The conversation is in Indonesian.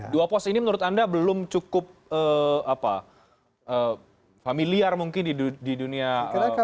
dua pos ini menurut anda belum cukup familiar mungkin di dunia politik